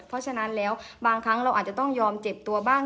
เพราะฉะนั้นแล้วบางครั้งเราอาจจะต้องยอมเจ็บตัวบ้าง